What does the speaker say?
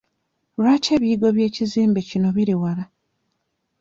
Lwaki ebiyigo by'ekizimbe kino biri wala?